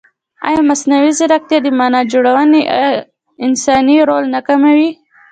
ایا مصنوعي ځیرکتیا د معنا جوړونې انساني رول نه کموي؟